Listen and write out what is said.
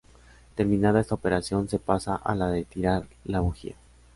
Terminada esta operación, se pasa a la de tirar la bujía.